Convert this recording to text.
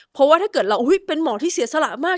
เพราะว่าถ้าเกิดเราเป็นหมอที่เสียสละมาก